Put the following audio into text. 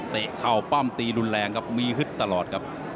เข่าปั้มตีรุนแรงครับมีฮึดตลอดครับ